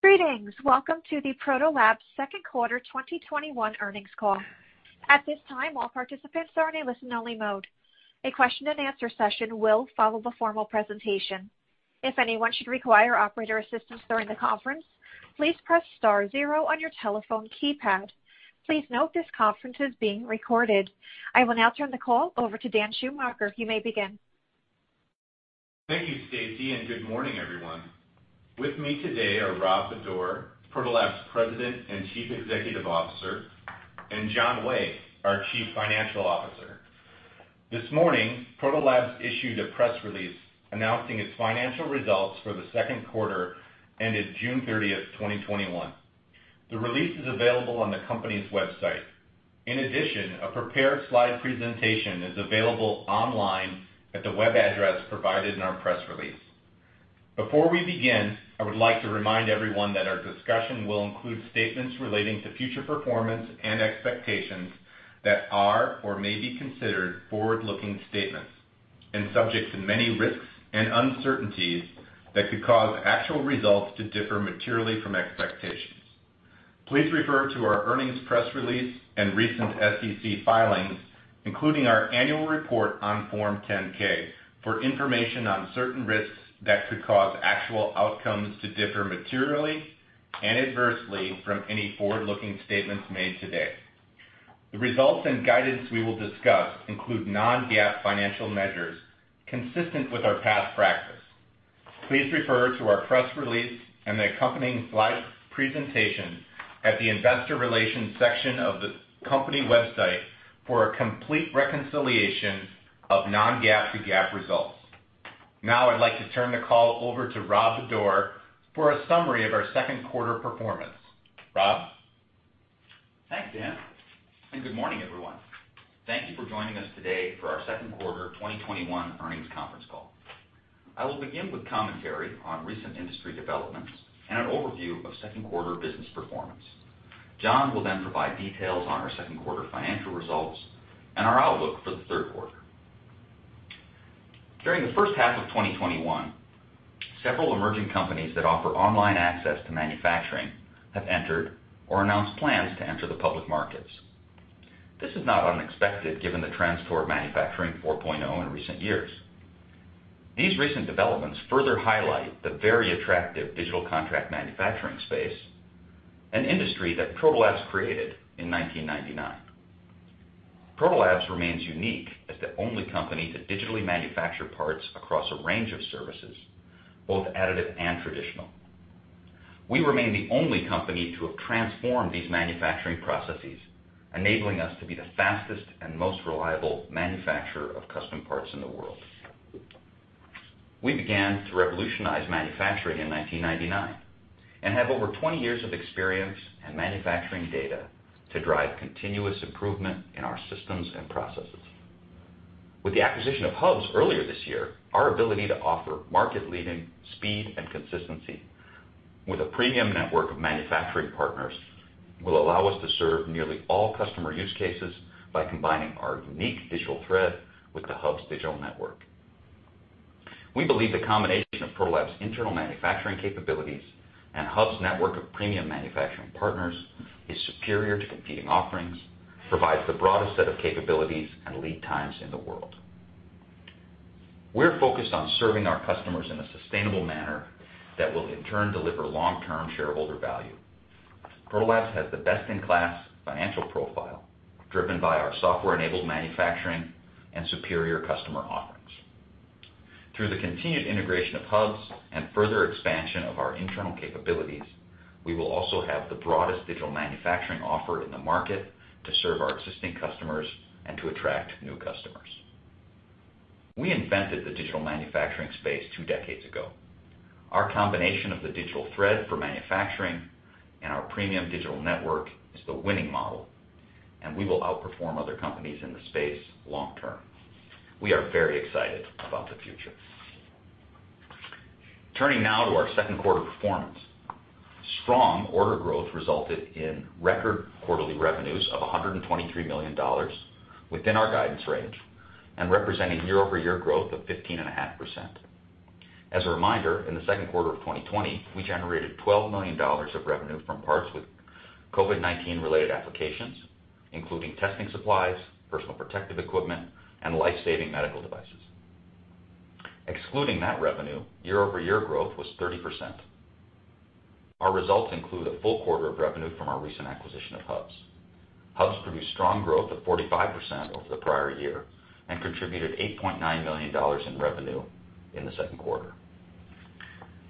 Greetings. Welcome to the Protolabs second quarter 2021 earnings call. At this time, all participants are in a listen only mode. A question-and-answer session will follow the formal presentation. If anyone should require operator assistance during the conference, please press star zero on your telephone keypad. Please note this conference is being recorded. I will now turn the call over to Dan Schumacher. You may begin. Thank you, Stacy, and good morning, everyone. With me today are Rob Bodor, Protolabs President and Chief Executive Officer, and John Way, our Chief Financial Officer. This morning, Protolabs issued a press release announcing its financial results for the second quarter ended June 30th, 2021. The release is available on the company's website. In addition, a prepared slide presentation is available online at the web address provided in our press release. Before we begin, I would like to remind everyone that our discussion will include statements relating to future performance and expectations that are or may be considered forward-looking statements, and subject to many risks and uncertainties that could cause actual results to differ materially from expectations. Please refer to our earnings press release and recent SEC filings, including our annual report on Form 10-K, for information on certain risks that could cause actual outcomes to differ materially and adversely from any forward-looking statements made today. The results and guidance we will discuss include non-GAAP financial measures consistent with our past practice. Please refer to our press release and the accompanying slide presentation at the investor relations section of the company website for a complete reconciliation of non-GAAP to GAAP results. Now I'd like to turn the call over to Rob Bodor for a summary of our second quarter performance. Rob? Thanks, Dan, and good morning, everyone. Thank you for joining us today for our second quarter 2021 earnings conference call. I will begin with commentary on recent industry developments and an overview of second quarter business performance. John will provide details on our second quarter financial results and our outlook for the third quarter. During the first half of 2021, several emerging companies that offer online access to manufacturing have entered or announced plans to enter the public markets. This is not unexpected given the trend Manufacturing 4.0 in recent years. These recent developments further highlight the very attractive digital contract manufacturing space, an industry that Protolabs created in 1999. Protolabs remains unique as the only company to digitally manufacture parts across a range of services, both additive and traditional. We remain the only company to have transformed these manufacturing processes, enabling us to be the fastest and most reliable manufacturer of custom parts in the world. We began to revolutionize manufacturing in 1999, and have over 20 years of experience and manufacturing data to drive continuous improvement in our systems and processes. With the acquisition of Hubs earlier this year, our ability to offer market leading speed and consistency with a premium network of manufacturing partners will allow us to serve nearly all customer use cases by combining our unique digital thread with the Hubs digital network. We believe the combination of Protolabs' internal manufacturing capabilities and Hubs network of premium manufacturing partners is superior to competing offerings, provides the broadest set of capabilities and lead times in the world. We're focused on serving our customers in a sustainable manner that will in turn deliver long-term shareholder value. Protolabs has the best-in-class financial profile driven by our software-enabled manufacturing and superior customer offerings. Through the continued integration of Hubs and further expansion of our internal capabilities, we will also have the broadest digital manufacturing offer in the market to serve our existing customers and to attract new customers. We invented the digital manufacturing space two decades ago. Our combination of the digital thread for manufacturing and our premium digital network is the winning model. We will outperform other companies in the space long term. We are very excited about the future. Turning now to our second quarter performance. Strong order growth resulted in record quarterly revenues of $123 million within our guidance range and representing year-over-year growth of 15.5%. As a reminder, in the second quarter of 2020, we generated $12 million of revenue from parts with COVID-19 related applications, including testing supplies, personal protective equipment, and life-saving medical devices. Excluding that revenue, year-over-year growth was 30%. Our results include a full quarter of revenue from our recent acquisition of Hubs. Hubs produced strong growth of 45% over the prior year and contributed $8.9 million in revenue in the second quarter.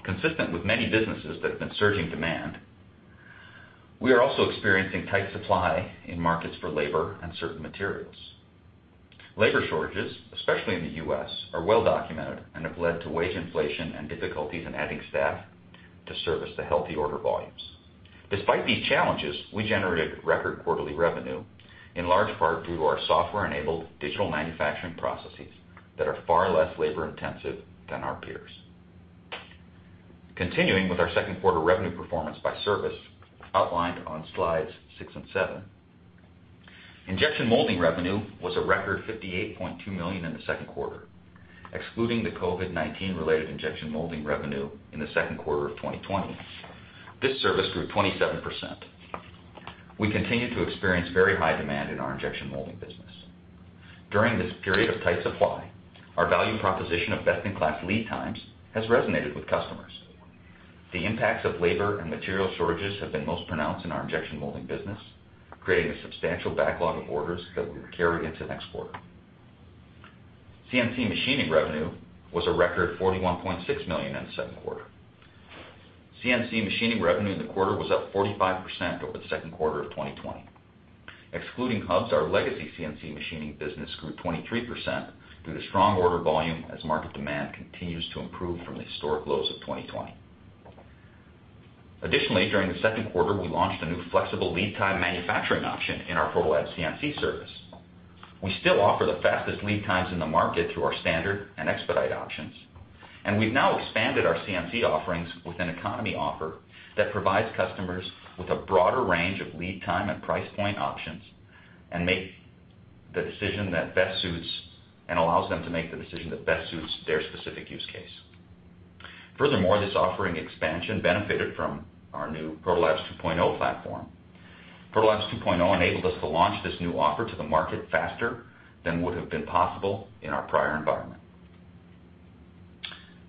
Consistent with many businesses that have been surging demand, we are also experiencing tight supply in markets for labor and certain materials. Labor shortages, especially in the U.S., are well documented and have led to wage inflation and difficulties in adding staff to service the healthy order volumes. Despite these challenges, we generated record quarterly revenue, in large part due to our software-enabled digital manufacturing processes that are far less labor-intensive than our peers. Continuing with our second quarter revenue performance by service outlined on slides six and seven. Injection molding revenue was a record $58.2 million in the second quarter. Excluding the COVID-19 related injection molding revenue in the second quarter of 2020, this service grew 27%. We continued to experience very high demand in our injection molding business. During this period of tight supply, our value proposition of best-in-class lead times has resonated with customers. The impacts of labor and material shortages have been most pronounced in our injection molding business, creating a substantial backlog of orders that we will carry into next quarter. CNC machining revenue was a record $41.6 million in the second quarter. CNC machining revenue in the quarter was up 45% over the second quarter of 2020. Excluding Hubs, our legacy CNC machining business grew 23% through the strong order volume as market demand continues to improve from the historic lows of 2020. During the second quarter, we launched a new flexible lead time manufacturing option in our Protolabs CNC service. We still offer the fastest lead times in the market through our standard and expedite options, and we've now expanded our CNC offerings with an economy offer that provides customers with a broader range of lead time and price point options, and allows them to make the decision that best suits their specific use case. This offering expansion benefited from our new Protolabs 2.0 platform. Protolabs 2.0 enabled us to launch this new offer to the market faster than would have been possible in our prior environment.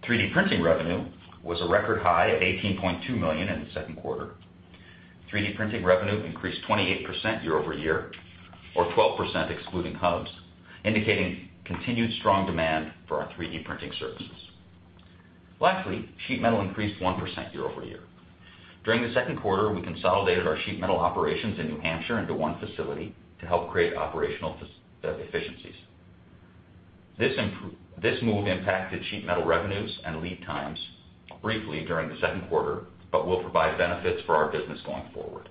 3D printing revenue was a record high at $18.2 million in the second quarter. 3D printing revenue increased 28% year-over-year, or 12% excluding Hubs, indicating continued strong demand for our 3D printing services. Sheet metal increased 1% year-over-year. During the second quarter, we consolidated our sheet metal operations in New Hampshire into one facility to help create operational efficiencies. This move impacted sheet metal revenues and lead times briefly during the second quarter, but will provide benefits for our business going forward.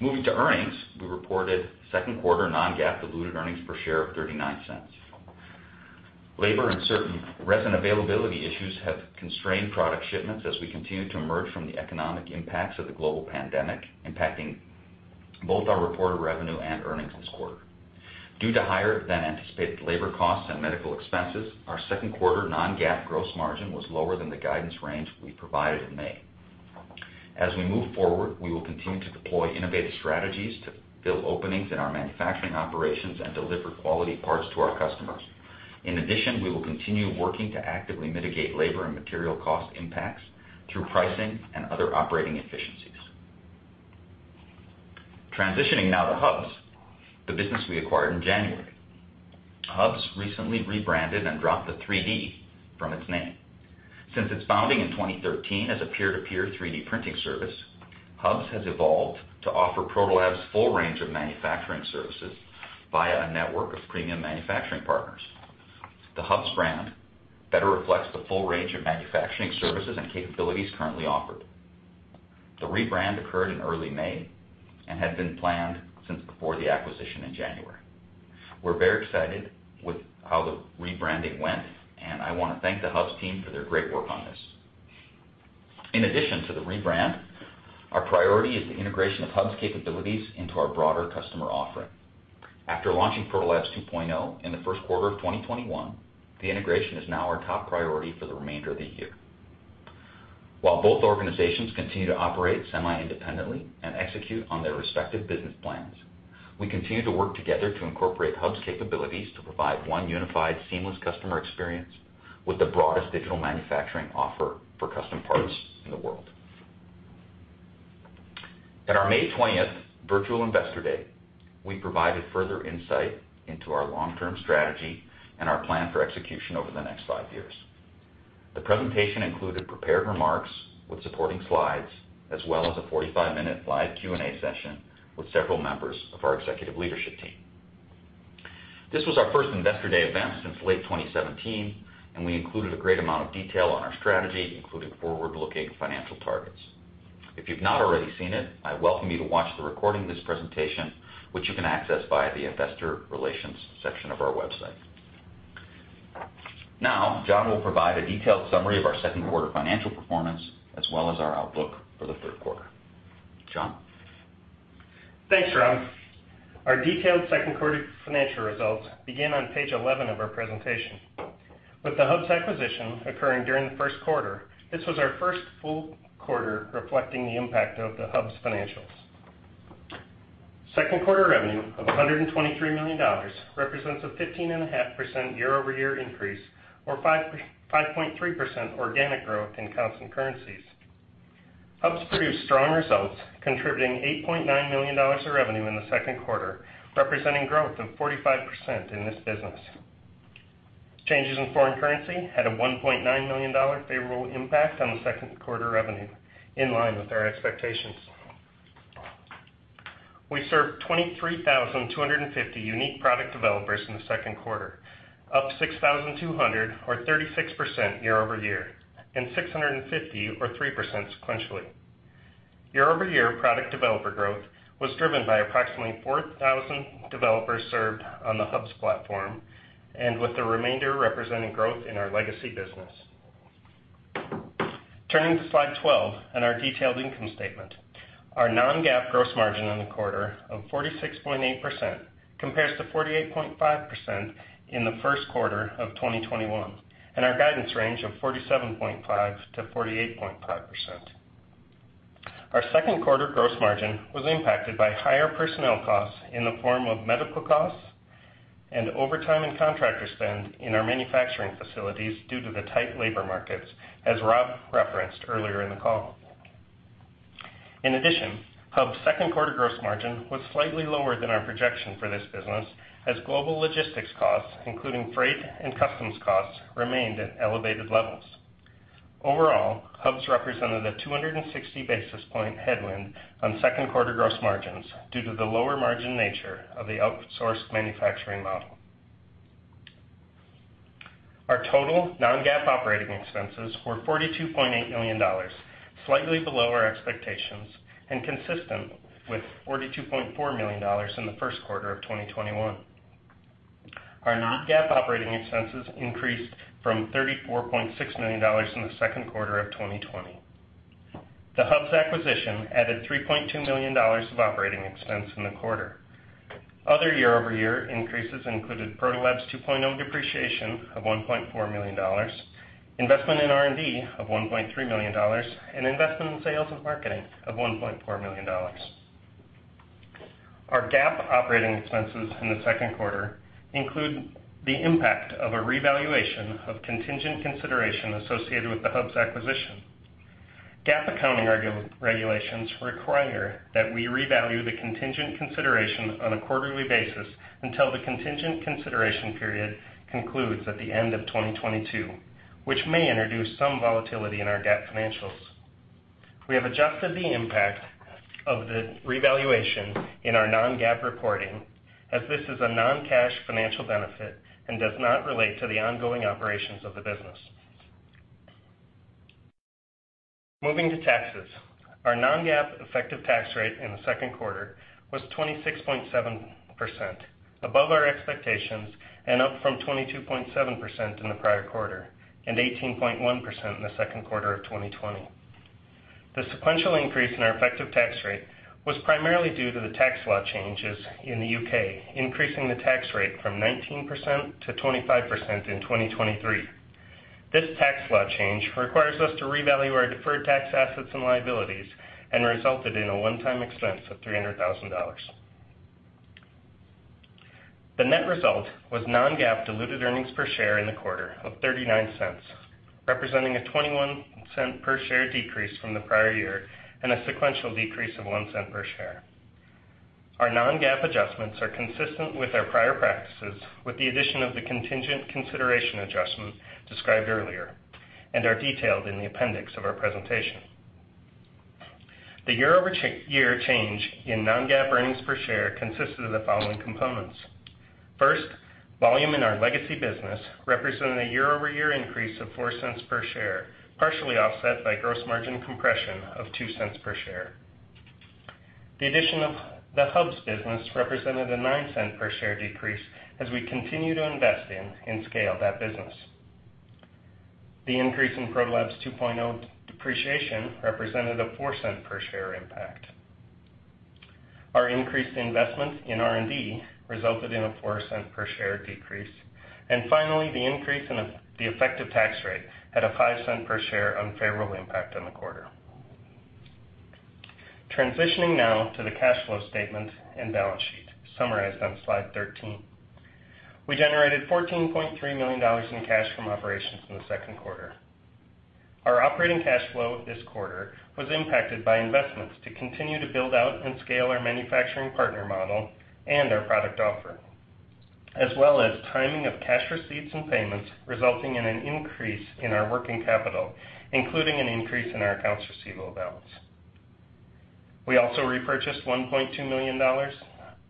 Moving to earnings, we reported second quarter non-GAAP diluted earnings per share of $0.39. Labor and certain resin availability issues have constrained product shipments as we continue to emerge from the economic impacts of the global pandemic, impacting both our reported revenue and earnings this quarter. Due to higher than anticipated labor costs and medical expenses, our second quarter non-GAAP gross margin was lower than the guidance range we provided in May. As we move forward, we will continue to deploy innovative strategies to fill openings in our manufacturing operations and deliver quality parts to our customers. In addition, we will continue working to actively mitigate labor and material cost impacts through pricing and other operating efficiencies. Transitioning now to Hubs, the business we acquired in January. Hubs recently rebranded and dropped the 3D from its name. Since its founding in 2013 as a peer-to-peer 3D printing service, Hubs has evolved to offer Protolabs full range of manufacturing services via a network of premium manufacturing partners. The Hubs brand better reflects the full range of manufacturing services and capabilities currently offered. The rebrand occurred in early May and had been planned since before the acquisition in January. We're very excited with how the rebranding went, and I want to thank the Hubs team for their great work on this. In addition to the rebrand, our priority is the integration of Hubs capabilities into our broader customer offering. After launching Protolabs 2.0 in the first quarter of 2021, the integration is now our top priority for the remainder of the year. While both organizations continue to operate semi-independently and execute on their respective business plans, we continue to work together to incorporate Hubs capabilities to provide one unified, seamless customer experience with the broadest digital manufacturing offer for custom parts in the world. At our May 20th Virtual Investor Day, we provided further insight into our long-term strategy and our plan for execution over the next five years. The presentation included prepared remarks with supporting slides, as well as a 45-minute live Q&A session with several members of our executive leadership team. This was our first Investor Day event since late 2017, and we included a great amount of detail on our strategy, including forward-looking financial targets. If you've not already seen it, I welcome you to watch the recording of this presentation, which you can access via the investor relations section of our website. Now, John will provide a detailed summary of our second quarter financial performance, as well as our outlook for the third quarter. John? Thanks, Rob. Our detailed second quarter financial results begin on page 11 of our presentation. With the Hubs acquisition occurring during the first quarter, this was our first full quarter reflecting the impact of the Hubs financials. Second quarter revenue of $123 million represents a 15.5% year-over-year increase, or 5.3% organic growth in constant currencies. Hubs produced strong results, contributing $8.9 million of revenue in the second quarter, representing growth of 45% in this business. Changes in foreign currency had a $1.9 million favorable impact on the second quarter revenue, in line with our expectations. We served 23,250 unique product developers in the second quarter, up 6,200 or 36% year-over-year, and 650 or 3% sequentially. Year-over-year product developer growth was driven by approximately 4,000 developers served on the Hubs platform, with the remainder representing growth in our legacy business. Turning to slide 12 and our detailed income statement. Our non-GAAP gross margin in the quarter of 46.8% compares to 48.5% in the first quarter of 2021, and our guidance range of 47.5%-48.5%. Our second quarter gross margin was impacted by higher personnel costs in the form of medical costs and overtime and contractor spend in our manufacturing facilities due to the tight labor markets, as Rob referenced earlier in the call. In addition, Hubs' second quarter gross margin was slightly lower than our projection for this business, as global logistics costs, including freight and customs costs, remained at elevated levels. Overall, Hubs represented a 260 basis point headwind on second quarter gross margins due to the lower margin nature of the outsourced manufacturing model. Our total non-GAAP operating expenses were $42.8 million, slightly below our expectations, and consistent with $42.4 million in the first quarter of 2021. Our non-GAAP operating expenses increased from $34.6 million in the second quarter of 2020. The Hubs acquisition added $3.2 million of operating expense in the quarter. Other year-over-year increases included Protolabs 2.0 depreciation of $1.4 million, investment in R&D of $1.3 million, and investment in sales and marketing of $1.4 million. Our GAAP operating expenses in the second quarter include the impact of a revaluation of contingent consideration associated with the Hubs acquisition. GAAP accounting regulations require that we revalue the contingent consideration on a quarterly basis until the contingent consideration period concludes at the end of 2022, which may introduce some volatility in our GAAP financials. We have adjusted the impact of the revaluation in our non-GAAP reporting, as this is a non-cash financial benefit and does not relate to the ongoing operations of the business. Moving to taxes. Our non-GAAP effective tax rate in the second quarter was 26.7%, above our expectations and up from 22.7% in the prior quarter, and 18.1% in the second quarter of 2020. The sequential increase in our effective tax rate was primarily due to the tax law changes in the U.K., increasing the tax rate from 19%-25% in 2023. This tax law change requires us to revalue our deferred tax assets and liabilities and resulted in a one-time expense of $300,000. The net result was non-GAAP diluted earnings per share in the quarter of $0.39, representing a $0.21 per share decrease from the prior year, and a sequential decrease of $0.01 per share. Our non-GAAP adjustments are consistent with our prior practices, with the addition of the contingent consideration adjustment described earlier, and are detailed in the appendix of our presentation. The year-over-year change in non-GAAP earnings per share consisted of the following components. First, volume in our legacy business represented a year-over-year increase of $0.04 per share, partially offset by gross margin compression of $0.02 per share. The addition of the Hubs business represented a $0.09 per share decrease as we continue to invest in and scale that business. The increase in Protolabs 2.0 depreciation represented a $0.04 per share impact. Our increased investment in R&D resulted in a $0.04 per share decrease. Finally, the increase in the effective tax rate had a $0.05 per share unfavorable impact on the quarter. Transitioning now to the cash flow statement and balance sheet summarized on slide 13. We generated $14.3 million in cash from operations in the second quarter. Our operating cash flow this quarter was impacted by investments to continue to build out and scale our manufacturing partner model and our product offer, as well as timing of cash receipts and payments, resulting in an increase in our working capital, including an increase in our accounts receivable balance. We also repurchased $1.2 million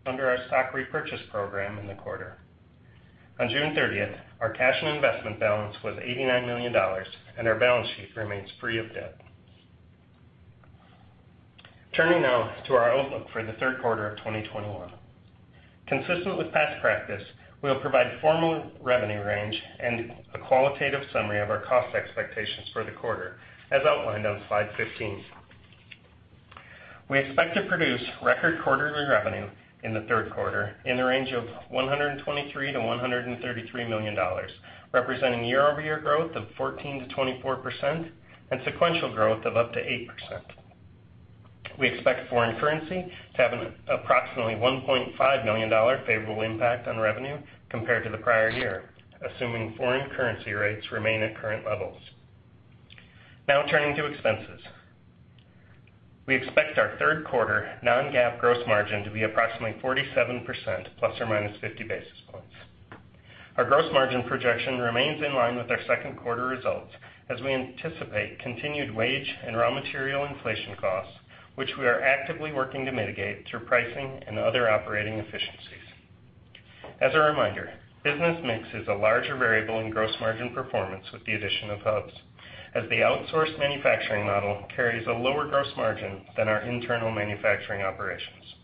under our stock repurchase program in the quarter. On June 30th, our cash and investment balance was $89 million, and our balance sheet remains free of debt. Turning now to our outlook for the third quarter of 2021. Consistent with past practice, we'll provide formal revenue range and a qualitative summary of our cost expectations for the quarter, as outlined on slide 15. We expect to produce record quarterly revenue in the third quarter in the range of $123 million-$133 million, representing year-over-year growth of 14%-24% and sequential growth of up to 8%. We expect foreign currency to have an approximately $1.5 million favorable impact on revenue compared to the prior year, assuming foreign currency rates remain at current levels. Now turning to expenses. We expect our third quarter non-GAAP gross margin to be approximately 47%, ±50 basis points. Our gross margin projection remains in line with our second quarter results as we anticipate continued wage and raw material inflation costs, which we are actively working to mitigate through pricing and other operating efficiencies. As a reminder, business mix is a larger variable in gross margin performance with the addition of Hubs, as the outsourced manufacturing model carries a lower gross margin than our internal manufacturing operations.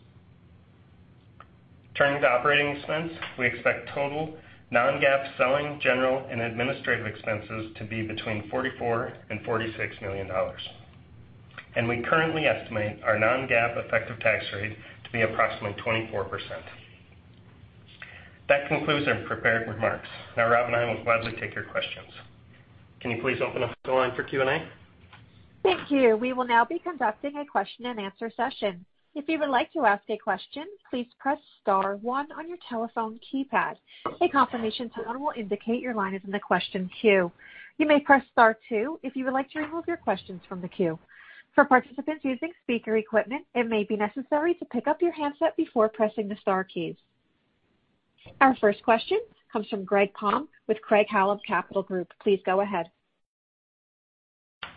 Turning to operating expense, we expect total non-GAAP selling, general, and administrative expenses to be between $44 million and $46 million. We currently estimate our non-GAAP effective tax rate to be approximately 24%. That concludes our prepared remarks. Now, Rob and I will gladly take your questions. Can you please open up the line for Q&A? Thank you. We will now be conducting a question-and-answer session. Our first question comes from Greg Palm with Craig-Hallum Capital Group. Please go ahead.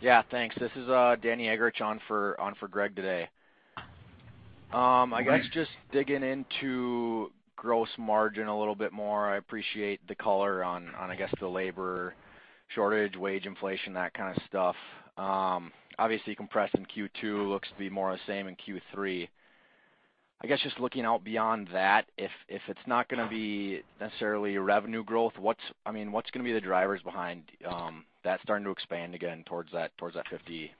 Yeah, thanks. This is Danny Eggerichs on for Greg today. Great. I guess just digging into gross margin a little bit more. I appreciate the color on, I guess, the labor shortage, wage inflation, that kind of stuff. Obviously, compressed in Q2, looks to be more of the same in Q3. I guess just looking out beyond that, if it's not going to be necessarily a revenue growth, what's going to be the drivers behind that starting to expand again towards that 50%?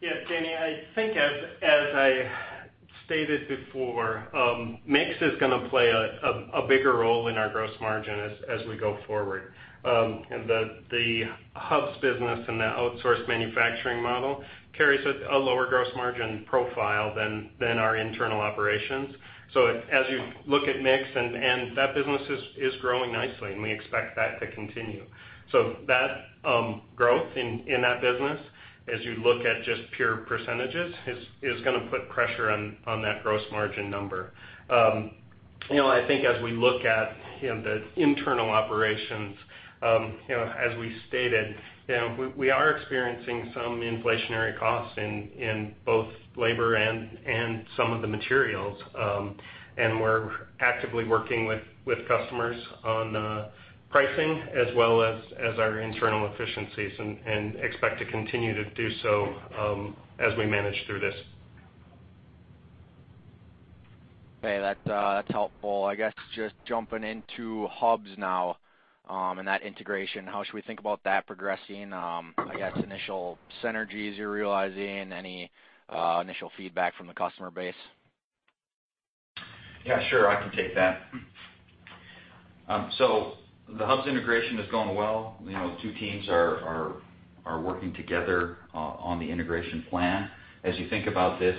Yeah, Danny, I think as I stated before, mix is going to play a bigger role in our gross margin as we go forward. The Hubs business and the outsourced manufacturing model carries a lower gross margin profile than our internal operations. As you look at mix and that business is growing nicely, and we expect that to continue. That growth in that business, as you look at just pure percentage, is going to put pressure on that gross margin number. I think as we look at the internal operations, as we stated, we are experiencing some inflationary costs in both labor and some of the materials. We're actively working with customers on pricing as well as our internal efficiencies and expect to continue to do so as we manage through this. Okay. That's helpful. I guess just jumping into Hubs now and that integration, how should we think about that progressing? I guess initial synergies you're realizing, any initial feedback from the customer base? Yeah, sure. I can take that. The Hubs integration is going well. The two teams are working together on the integration plan. As you think about this,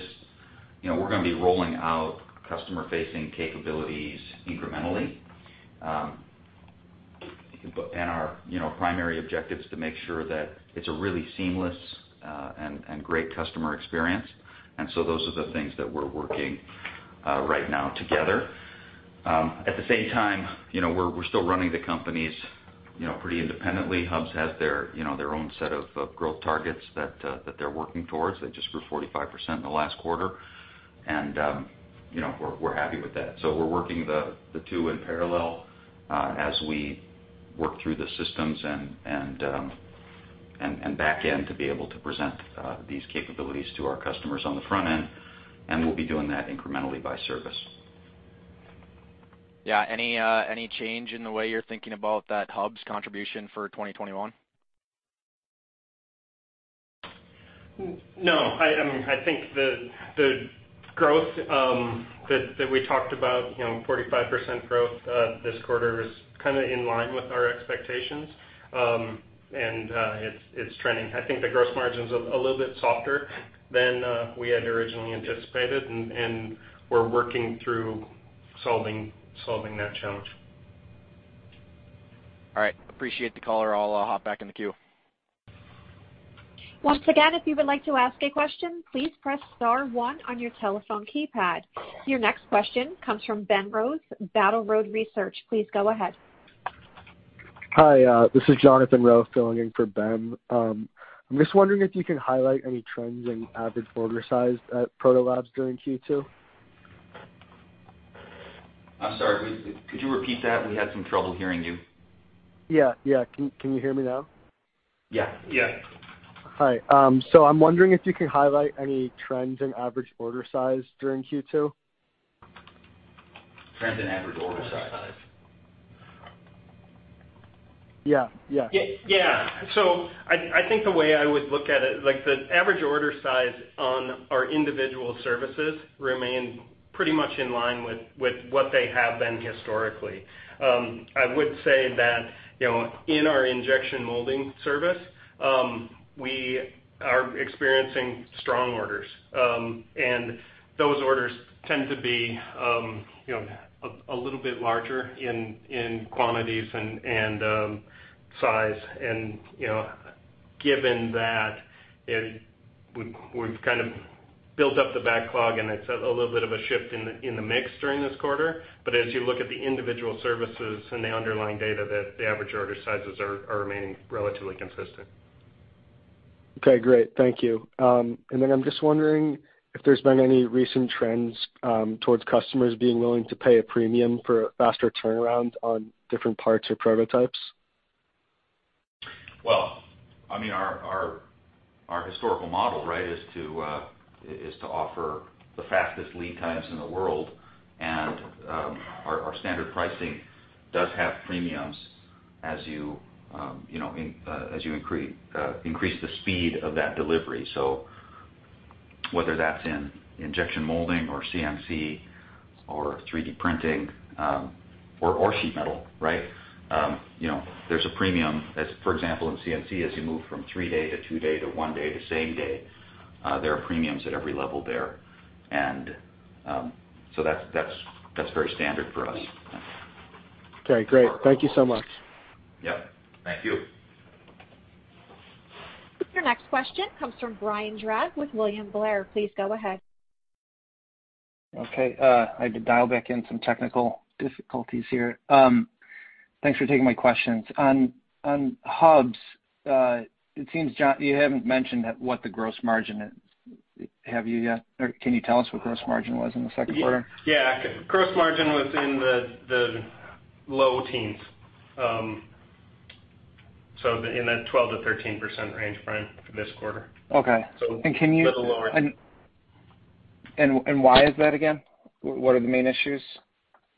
we're going to be rolling out customer-facing capabilities incrementally. Our primary objective is to make sure that it's a really seamless and great customer experience. Those are the things that we're working on right now together. At the same time, we're still running the companies pretty independently. Hubs has their own set of growth targets that they're working towards. They just grew 45% in the last quarter. We're happy with that. We're working the two in parallel as we work through the systems and back end to be able to present these capabilities to our customers on the front end. We'll be doing that incrementally by service. Yeah. Any change in the way you're thinking about that Hubs contribution for 2021? No. I think the growth that we talked about, 45% growth this quarter is kind of in line with our expectations. It's trending. I think the gross margin's a little bit softer than we had originally anticipated, and we're working through solving that challenge. All right. Appreciate the color. I'll hop back in the queue. Your next question comes from Ben Rose, Battle Road Research. Please go ahead. Hi, this is Jonathan Rowe filling in for Ben. I'm just wondering if you can highlight any trends in average order size at Protolabs during Q2. I'm sorry. Could you repeat that? We had some trouble hearing you. Yeah. Can you hear me now? Yeah. Yeah. Hi. I'm wondering if you can highlight any trends in average order size during Q2. Trends in average order size. Order size. Yeah. Yeah. I think the way I would look at it, like the average order size on our individual services remain pretty much in line with what they have been historically. I would say that, in our injection molding service, we are experiencing strong orders. Those orders tend to be a little bit larger in quantities and size. Given that, we've kind of built up the backlog, and it's a little bit of a shift in the mix during this quarter. As you look at the individual services and the underlying data, the average order sizes are remaining relatively consistent. Okay, great. Thank you. I'm just wondering if there's been any recent trends towards customers being willing to pay a premium for faster turnaround on different parts or prototypes? Well, our historical model is to offer the fastest lead times in the world, and our standard pricing does have premiums as you increase the speed of that delivery, whether that's in injection molding or CNC or 3D printing or sheet metal. There's a premium, for example, in CNC, as you move from three day to two day to one day to same-day, there are premiums at every level there. That's very standard for us. Okay, great. Thank you so much. Yep. Thank you. Your next question comes from Brian Drab with William Blair. Please go ahead. Okay. I had to dial back in, some technical difficulties here. Thanks for taking my questions. On Hubs, it seems you haven't mentioned what the gross margin is. Have you yet or can you tell us what gross margin was in the second quarter? Yeah. Gross margin was in the low teens. In that 12%-13% range, Brian, for this quarter. Okay. A little lower. Why is that again? What are the main issues?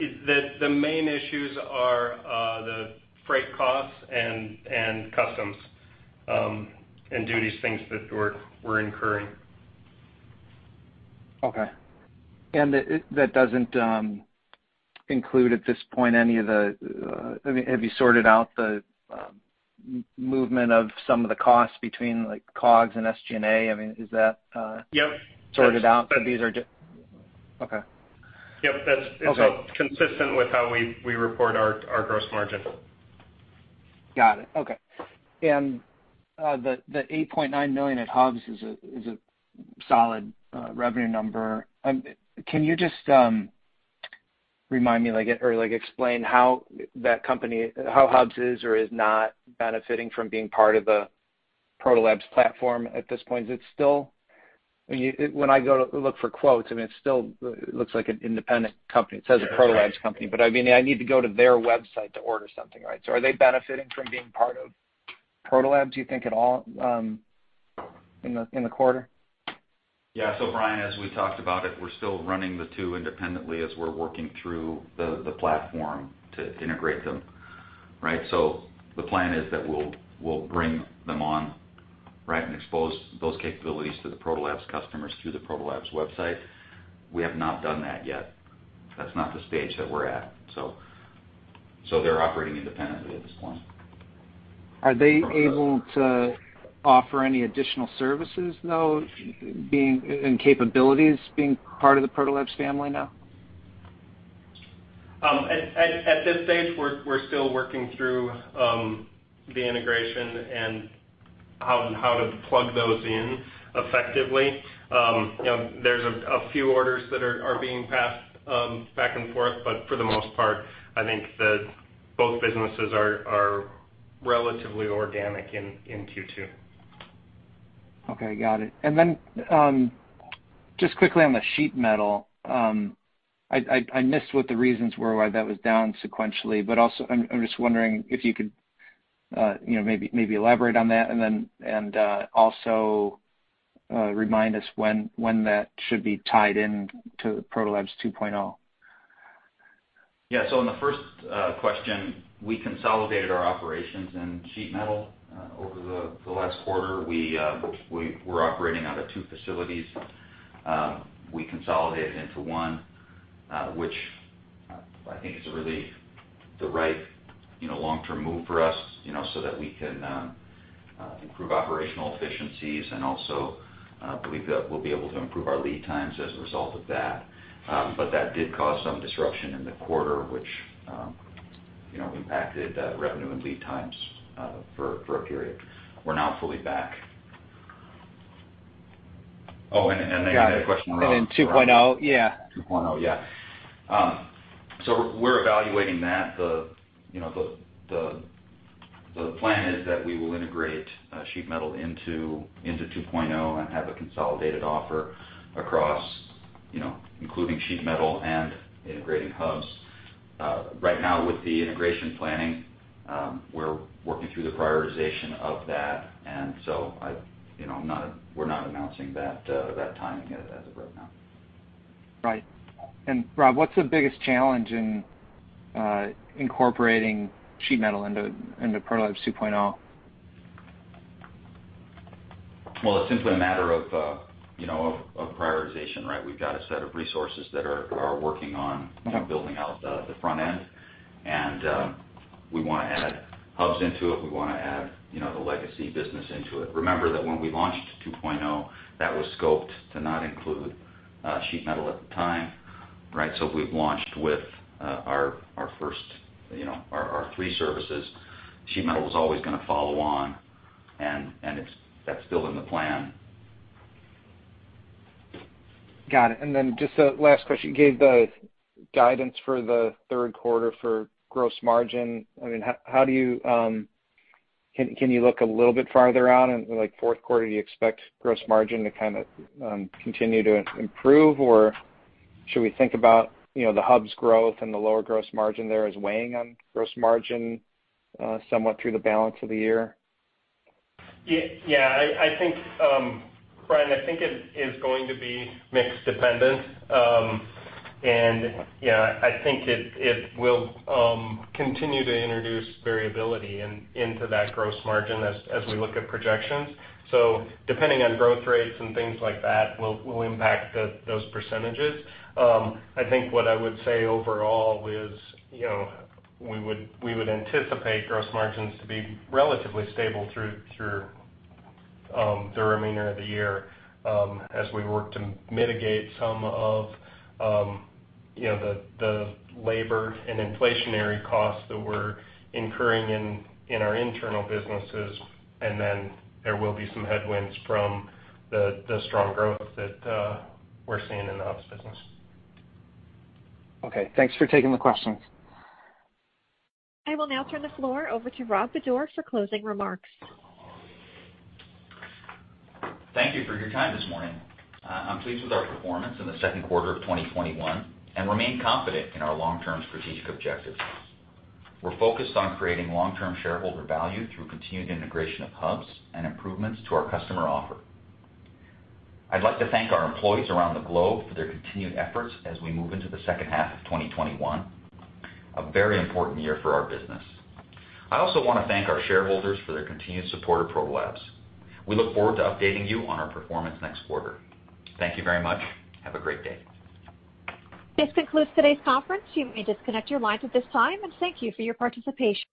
The main issues are the freight costs and customs and duties, things that we're incurring. Okay. That doesn't include, at this point, have you sorted out the movement of some of the costs between like COGS and SG&A? Yep sorted out? These are just Okay. Yep. Okay consistent with how we report our gross margin. Got it. Okay. The $8.9 million at Hubs is a solid revenue number. Can you just remind me or explain how that company, how Hubs is or is not benefiting from being part of the Protolabs platform at this point? Is it still When I go to look for quotes, I mean, it still looks like an independent company. It says a Protolabs company, but I mean, I need to go to their website to order something, right? Are they benefiting from being part of Protolabs, do you think at all in the quarter? Yeah. Brian, as we talked about it, we're still running the two independently as we're working through the platform to integrate them. The plan is that we'll bring them on and expose those capabilities to the Protolabs customers through the Protolabs website. We have not done that yet. That's not the stage that we're at, they're operating independently at this point. Are they able to offer any additional services though, and capabilities being part of the Protolabs family now? At this stage, we're still working through the integration and how to plug those in effectively. There's a few orders that are being passed back and forth, but for the most part, I think that both businesses are relatively organic in Q2. Okay, got it. Just quickly on the sheet metal. I missed what the reasons were why that was down sequentially, but also, I'm just wondering if you could maybe elaborate on that and then, and also remind us when that should be tied in to Protolabs 2.0. Yeah. On the first question, we consolidated our operations in sheet metal over the last quarter. We were operating out of two facilities. We consolidated into one, which I think is really the right long-term move for us, so that we can improve operational efficiencies and also believe that we'll be able to improve our lead times as a result of that. That did cause some disruption in the quarter, which impacted revenue and lead times for a period. We're now fully back. 2.0, yeah. 2.0, yeah. We're evaluating that. The plan is that we will integrate sheet metal into 2.0 and have a consolidated offer across, including sheet metal and integrating Hubs. Right now with the integration planning, we're working through the prioritization of that. We're not announcing that timing as of right now. Right. Rob, what's the biggest challenge in incorporating sheet metal into Protolabs 2.0? It's simply a matter of prioritization. We've got a set of resources that are working on building out the front end, and we want to add Hubs into it. We want to add the legacy business into it. Remember that when we launched 2.0, that was scoped to not include sheet metal at the time. We've launched with our first three services. Sheet metal was always going to follow on, and that's still in the plan. Got it. Just a last question. You gave the guidance for the third quarter for gross margin. I mean, can you look a little bit farther out into like fourth quarter? Do you expect gross margin to kind of continue to improve, or should we think about the Hubs growth and the lower gross margin there as weighing on gross margin somewhat through the balance of the year? Brian, I think it is going to be mix dependent. I think it will continue to introduce variability into that gross margin as we look at projections. Depending on growth rates and things like that will impact those %. I think what I would say overall is we would anticipate gross margins to be relatively stable through the remainder of the year as we work to mitigate some of the labor and inflationary costs that we're incurring in our internal businesses. Then there will be some headwinds from the strong growth that we're seeing in the Hubs business. Okay. Thanks for taking the questions. I will now turn the floor over to Rob Bodor for closing remarks. Thank you for your time this morning. I'm pleased with our performance in the second quarter of 2021 and remain confident in our long-term strategic objectives. We're focused on creating long-term shareholder value through continued integration of Hubs and improvements to our customer offer. I'd like to thank our employees around the globe for their continued efforts as we move into the second half of 2021, a very important year for our business. I also want to thank our shareholders for their continued support of Protolabs. We look forward to updating you on our performance next quarter. Thank you very much. Have a great day. This concludes today's conference. You may disconnect your lines at this time, and thank you for your participation.